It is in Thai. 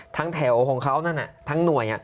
ทั้งแถวของเขานั่นน่ะทั้งหน่วย